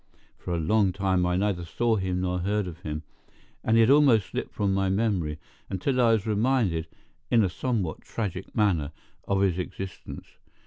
For a long time I neither saw him nor heard of him, and he had almost slipped from my memory, until I was reminded, in a somewhat tragic manner, of his existence.